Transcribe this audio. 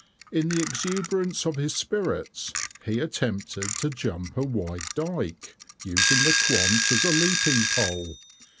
In the exuberance of his spirits, he attempted to jump a wide dyke, using the quant as a leaping pole.